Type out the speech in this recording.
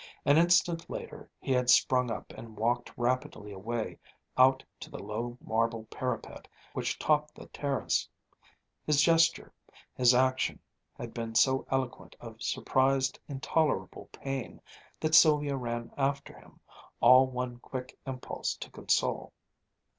An instant later he had sprung up and walked rapidly away out to the low marble parapet which topped the terrace. His gesture, his action had been so eloquent of surprised, intolerable pain, that Sylvia ran after him, all one quick impulse to console.